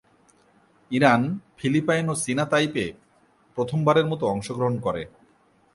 Iran, Philippines ও চীনা Taipei প্রথম বারের মত অংশগ্রহণ করে।